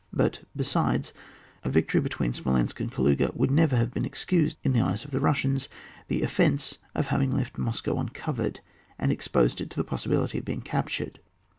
Btit, be Bides, a victory between Smolensk and Kaluga would never have excused, in the eyes of the Bussians, the offence of having left Moscow uncovered, and exposed it to the possibility of being captured.